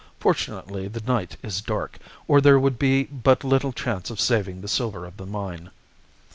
"Fortunately, the night is dark, or there would be but little chance of saving the silver of the mine."